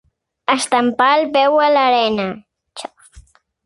Estampar el peu a l'arena.